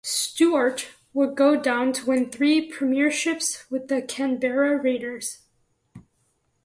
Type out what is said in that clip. Stuart would go on to win three premierships with the Canberra Raiders.